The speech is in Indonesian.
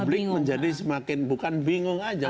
dan publik menjadi semakin bukan bingung aja